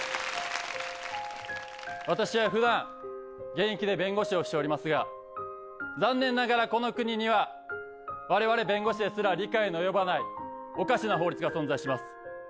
私はふだん現役で弁護士をしておりますが残念ながらこの国には我々弁護士ですら理解の及ばないおかしな法律が存在します。